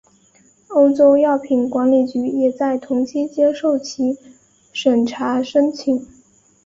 欧洲药品管理局也在同期接受其审查申请。